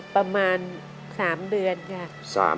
ประมาณ๓เดือนค่ะ